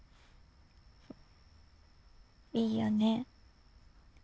いいよね。